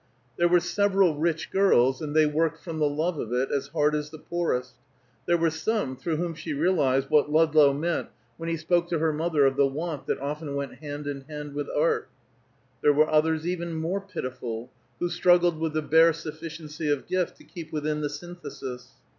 There were several rich girls, and they worked from the love of it, as hard as the poorest. There were some through whom she realized what Ludlow meant when he spoke to her mother of the want that often went hand in hand with art; there were others even more pitiful, who struggled with the bare sufficiency of gift to keep within the Synthesis.